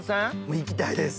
行きたいです。